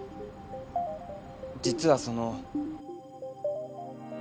実はそのう。